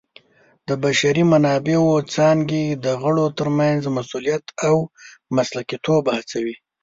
د بشري منابعو څانګې د غړو ترمنځ مسؤلیت او مسلکیتوب هڅوي.